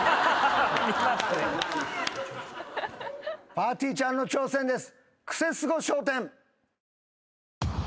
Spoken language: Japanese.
ぱーてぃーちゃんの挑戦です。